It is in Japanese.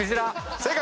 正解。